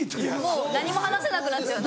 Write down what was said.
もう何も話せなくなっちゃう。